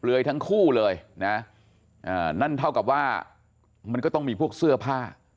ยทั้งคู่เลยนะนั่นเท่ากับว่ามันก็ต้องมีพวกเสื้อผ้า